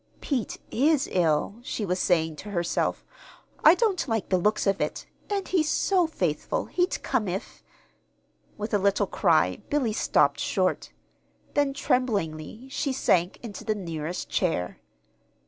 "Pete is ill," she was saying to herself. "I don't like the looks of it; and he's so faithful he'd come if " With a little cry Billy stopped short. Then, tremblingly, she sank into the nearest chair.